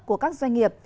của các doanh nghiệp